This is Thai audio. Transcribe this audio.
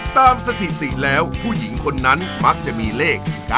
สถิติแล้วผู้หญิงคนนั้นมักจะมีเลข๙